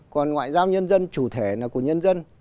còn ngoại giao nhân dân chủ thể là của nhân dân